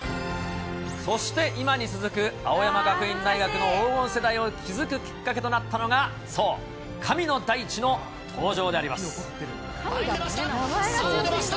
そして今に続く青山学院大学の黄金世代を築くきっかけとなったのが、そう、前に出ました、さあ出ました。